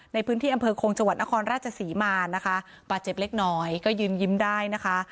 ในพื้นที่อำเภอคงจังหวัดนครราชศรีมานะคะบาดเจ็บเล็กน้อยก็ยืนยิ้มได้นะคะ